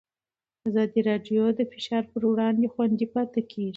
اداري خپلواکي د فشار پر وړاندې خوندي پاتې کېږي